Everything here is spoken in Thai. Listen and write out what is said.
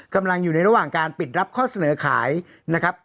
กำลังอยู่ในระหว่างการปิดรับข้อเสนอขายนะครับ